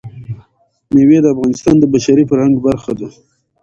مېوې د افغانستان د بشري فرهنګ برخه ده.